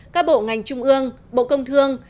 các bộ ngành trung ương bộ công thương